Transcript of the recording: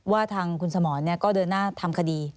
ว่าทางคุณสมรก็เดินหน้าทำคดี